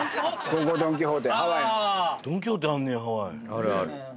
あるある。